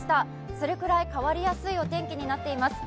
それくらい変わりやすいお天気になっています